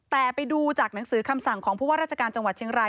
แต่ไปดูจากหนังสือคำสั่งของผู้ว่าราชการจังหวัดเชียงราย